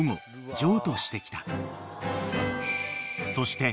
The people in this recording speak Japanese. ［そして］